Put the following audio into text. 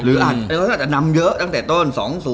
อาจจะนำเยอะตั้งแต่ต้น๒๐